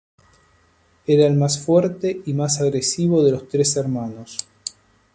Era el más fuerte y más agresivo de los tres hermanos.